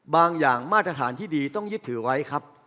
บางอย่างมาตรฐานที่ดีต้องยึดถือไว้ครับ